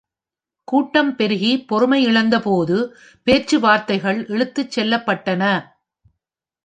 கூட்டம் பெருகி பொறுமையிழந்தபோது பேச்சுவார்த்தைகள் இழுத்துச் செல்லப்பட்டன.